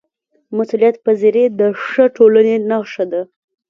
مسؤلیتپذیري د ښه ټولنې نښه ده